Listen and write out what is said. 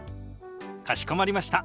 かしこまりました。